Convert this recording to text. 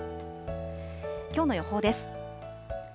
きょうの予報です。